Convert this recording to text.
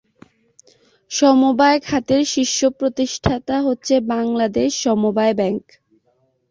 সমবায় খাতের শীর্ষ প্রতিষ্ঠান হচ্ছে বাংলাদেশ সমবায় ব্যাংক।